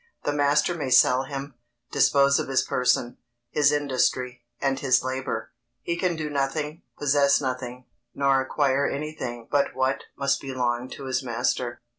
The master may sell him, dispose of his person, his industry, and his labor; he can do nothing, possess nothing, nor acquire anything but what must belong to his master.